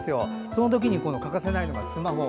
その時に欠かせないのがスマホ。